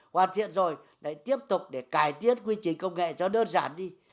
hoàn thiện rồi lại tiếp tục để cải tiến quy trình công nghệ cho đơn giản đi